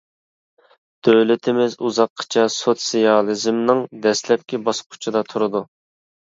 دۆلىتىمىز ئۇزاققىچە سوتسىيالىزمنىڭ دەسلەپكى باسقۇچىدا تۇرىدۇ.